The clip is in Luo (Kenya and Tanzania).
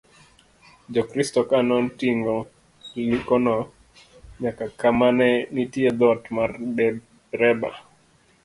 jokristo ka notingo Likono nyaka ka ma ne nitie dhot mar dereba